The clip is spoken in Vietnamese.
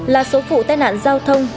là số phụ tai nạn giao thông